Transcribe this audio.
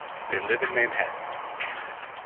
They live in Manhattan.